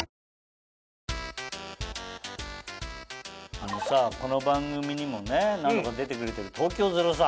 あのさこの番組にも何度か出てくれてる東京０３。